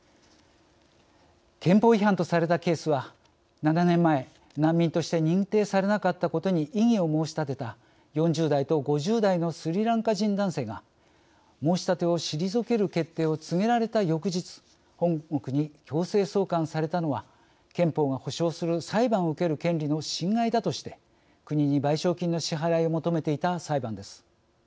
憲法違反とされたケースは７年前、難民として認定されなかったことに異議を申し立てた４０代と５０代のスリランカ人男性が申し立てを退ける決定を告げられた翌日本国に強制送還されたのは憲法が保障する裁判を受ける権利の侵害だとして国に賠償金の支払いを求めていた裁判です。